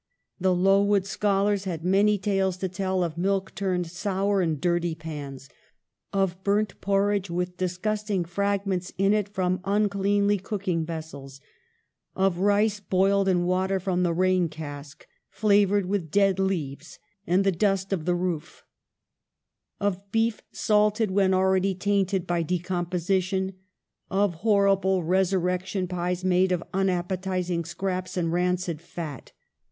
The " Lowood " schol ars had many tales to tell of milk turned sour 46 EMILY BRONTE. in dirty pans ; of burnt porridge with disgusting fragments in it from uncleanly cooking vessels ; of rice boiled in water from the rain cask, fla vored with dead leaves, and the dust of the roof ; of beef salted when already tainted by de composition ; of horrible resurrection pies made of unappetizing scraps and rancid fat.